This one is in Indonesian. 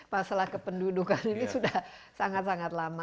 masalah kependudukan ini sudah sangat sangat lama